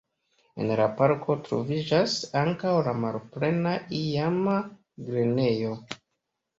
En la parko troviĝas ankaŭ la malplena iama grenejo.